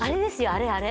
あれあれ。